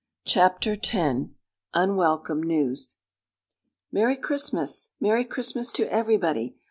CHAPTER X UNWELCOME NEWS "Merry Christmas!" "Merry Christmas to everybody!"